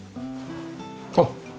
あっ！